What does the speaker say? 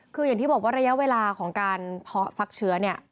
คืออย่างที่บอกว่าระยะเวลาของการเพาะฟักเชื้อเนี่ย